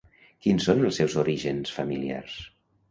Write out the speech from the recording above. Quins són els seus orígens familiars?